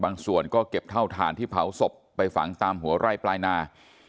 ส่วนก็เก็บเท่าฐานที่เผาศพไปฝังตามหัวไร่ปลายนา